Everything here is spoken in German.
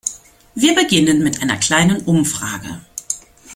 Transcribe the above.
Wir beginnen mit einer kleinen Umfrage.